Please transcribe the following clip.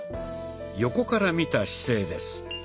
横から見た姿勢です。